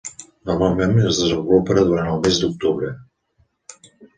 Normalment es desenvolupa durant el mes d'octubre.